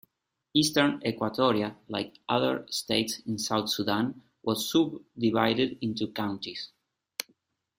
Eastern Equatoria, like other states in South Sudan, was sub-divided into counties.